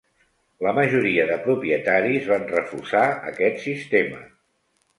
La majoria de propietaris van refusar aquest sistema.